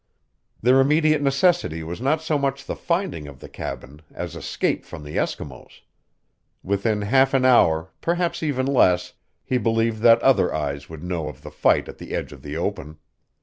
Their immediate necessity was not so much the finding of the cabin as escape from the Eskimos. Within half an hour, perhaps even less, he believed that other eyes would know of the fight at the edge of the open.